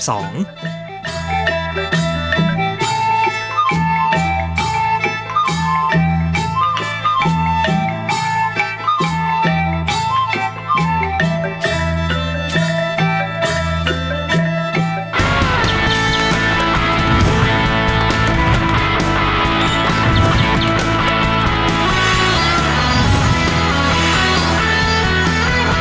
โอ้โหไทยแลนด์